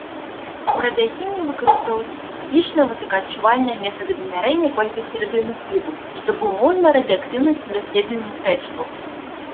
У радыяхіміі выкарыстоўваюцца спецыфічныя высокаадчувальныя метады вымярэння колькасці радыенуклідаў, што абумоўлена радыеактыўнасцю даследуемых рэчываў.